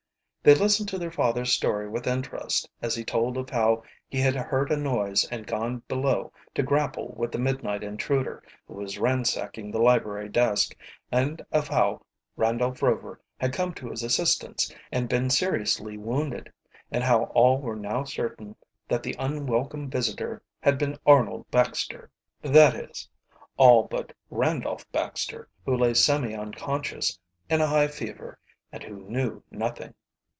They listened to their father's story with interest, as he told of how he had heard a noise and gone below to grapple with the midnight intruder who was ransacking the library desk, and of how Randolph Rover had come to his assistance and been seriously wounded, and how all were now certain that the unwelcome visitor had been Arnold Baxter that is, all but Randolph Baxter, who lay semi unconscious, in a high fever, and who knew nothing.